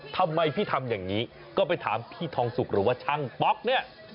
ทำไมพี่ทำอย่างนี้ก็ไปถามพี่ทองสุกหรือว่าช่างป๊อกเนี่ย